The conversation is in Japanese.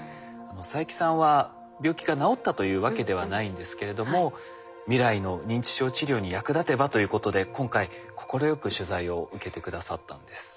佐伯さんは病気が治ったというわけではないんですけれども未来の認知症治療に役立てばということで今回快く取材を受けて下さったんです。